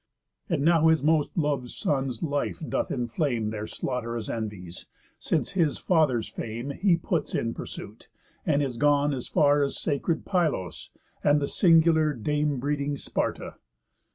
And now his most lov'd son's life doth inflame Their slaught'rous envies; since his father's fame He puts in pursuit, and is gone as far As sacred Pylos, and the singular Dame breeding Sparta."